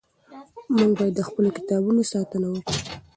موږ باید د خپلو کتابونو ساتنه وکړو.